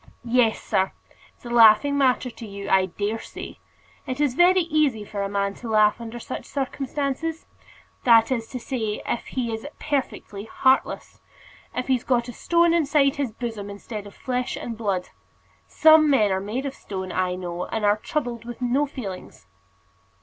"Yes, sir; it's a laughing matter to you, I dare say. It is very easy for a man to laugh under such circumstances; that is to say, if he is perfectly heartless, if he's got a stone inside his bosom instead of flesh and blood. Some men are made of stone, I know, and are troubled with no feelings."